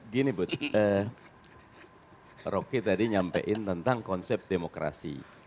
gini bu roky tadi nyampein tentang konsep demokrasi